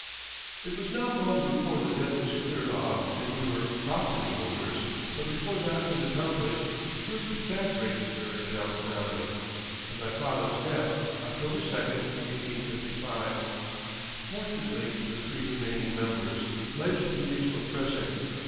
It was not long before the debt was cleared off and we were property holders, but before that was accomplished, the first sad break occurred in our family, in my father's death, October 2, 1855. Fortunately for the three remaining members life's duties were pressing.